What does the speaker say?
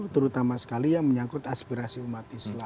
terutama sekali yang menyangkut aspirasi umat islam